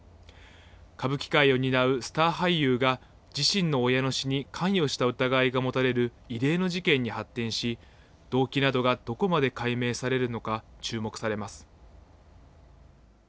歌舞伎界を担うスター俳優が、自身の親の死に関与した疑いが持たれる異例の事件に発展し、動機などがどこまで解明されるのか、注目されます。